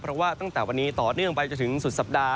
เพราะว่าตั้งแต่วันนี้ต่อเนื่องไปจนถึงสุดสัปดาห